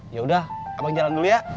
yaudah abang jalan dulu ya